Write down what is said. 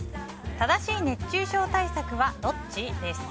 正しい熱中症対策はどっち？です。